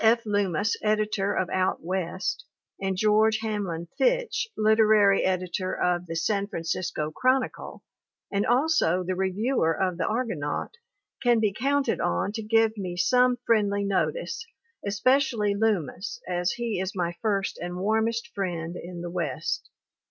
F. Lummis, editor of Out West, and George Hamlin Fitch, literary editor of The San Fransisco Chronicle, and also the reviewer of the Argonaut can be counted on to give me some friendly notice, especially Lummis as he is my first and warmest friend in the west.